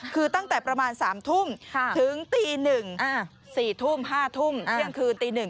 คือตั้งแต่ประมาณสามทุ่มถึงตีหนึ่งสี่ทุ่มห้าทุ่มเที่ยงคืนตีหนึ่ง